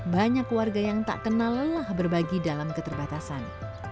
banyak warga yang tak kenal lelah berbagi dalam keterbatasan